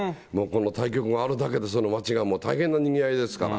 対局があるだけで町が大変なにぎわいですから。